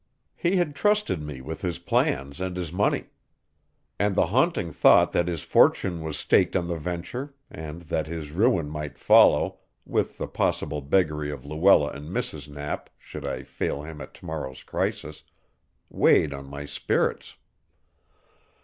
He had trusted me with his plans and his money. And the haunting thought that his fortune was staked on the venture, and that his ruin might follow, with the possible beggary of Luella and Mrs. Knapp, should I fail him at tomorrow's crisis, weighed on my spirits.